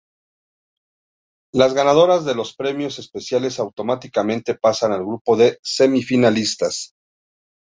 Las ganadoras de los premios especiales automáticamente pasan al grupo de Semifinalistas.